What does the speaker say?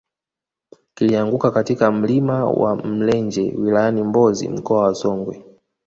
kilianguka katika mlima wa mlenje wilayani mbozi mkoa wa songwe